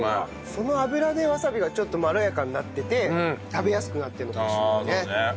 その油でわさびがちょっとまろやかになってて食べやすくなってるのかもしれないね。